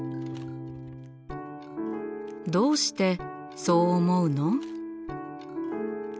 どうしてそう思うの？